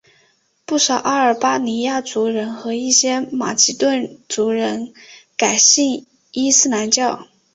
不少阿尔巴尼亚族人和一些马其顿族人改信伊斯兰教。